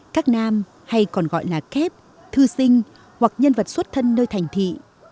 các nam hay còn gọi là kép thư sinh hoặc nhân vật xuất thân nơi thành thị